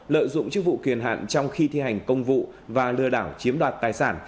lợi dụng chức vụ kiền hạn trong khi thi hành công vụ và lừa đảo chiếm đoạt tài sản